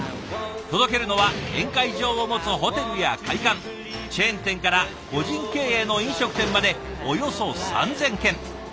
届けるのは宴会場を持つホテルや会館チェーン店から個人経営の飲食店までおよそ３，０００軒。